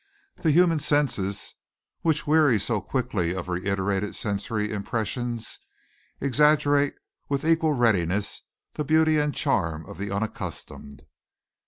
The human senses, which weary so quickly of reiterated sensory impressions, exaggerate with equal readiness the beauty and charm of the unaccustomed.